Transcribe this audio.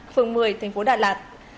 phường một mươi thành phố đà lạt